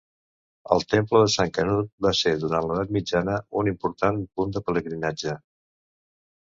El temple de Sant Canut va ser durant l'edat mitjana un important punt de pelegrinatge.